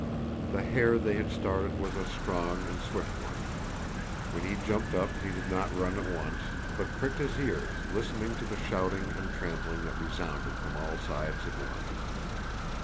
The hare they had started was a strong and swift one. When he jumped up he did not run at once, but pricked his ears listening to the shouting and trampling that resounded from all sides at once.